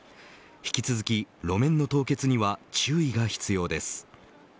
引き続き、路面の凍結には注意が必要です。